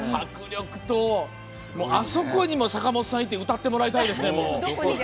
あそこにも坂本さん行って歌ってもらいたいですね。